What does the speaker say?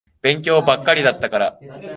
勉強ばっかりだったから。